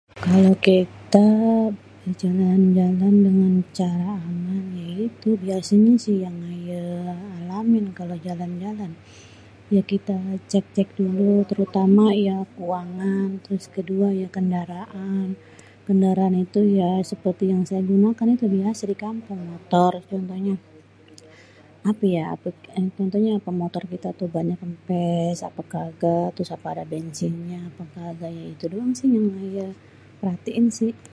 Kalau kita Jalan-jalan dengan cara aman ya itu biasenye si yang aye alamin kalo jalan-jalan, ya kita cek-cek dulu terutama ya keuangan, terus kedua ya kendaraan, kendaraan itu ya seperti yang saya gunakan tuh yang biasa di kampung seperti motor, apé ya contohnyé motor kite bannye kempes ape kaga, terus ape ade bensinnya ape kaga, ya itu doang si yang aye perhatiin si